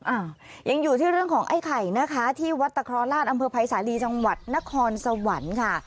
อ้าวยังอยู่ที่เรื่องของไอ้ไข่นะคะที่วัดตะครอราชอำเภอภัยสาลีจังหวัดนครสวรรค์ค่ะ